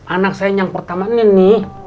anak saya yang pertama nih